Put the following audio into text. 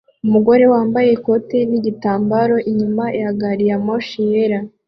Umugore wambaye ikote nigitambara inyuma ya gariyamoshi yera